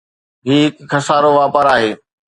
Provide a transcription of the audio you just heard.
هي هڪ خسارو واپار آهي.